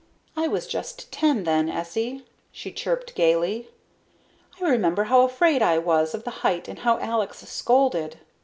"I was just ten then, Essie," she chirped gaily. "I remember how afraid I was of the height and how Alex scolded."